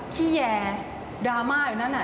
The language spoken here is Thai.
ขี้แยวดราม่าอยู่นั่นน่ะ